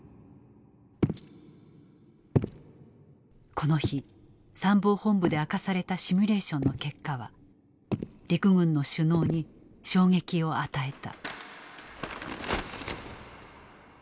この日参謀本部で明かされたシミュレーションの結果は陸軍の首脳に衝撃を与えた。